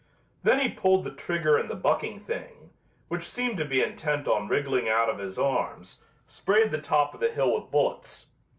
Then he pulled the trigger and the bucking thing, which seemed to be intent on wriggling out of his arms, sprayed the top of the hill with bullets.